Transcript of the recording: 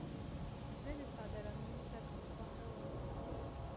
زه د ساده رنګونو ترکیب خوښوم.